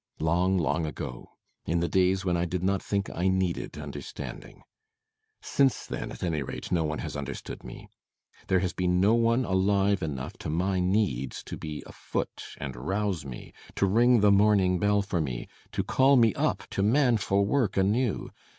Long, long ago. In the days when I did not think I needed understanding. Since then, at any rate, no one has understood me! There has been no one alive enough to my needs to be afoot and rouse me to ring the morning bell for me to call me up to manful work anew.